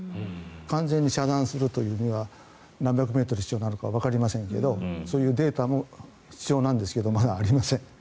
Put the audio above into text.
完全に遮断するには何百メートル必要になるかわかりませんがそういうデータも必要なんですがまだありません。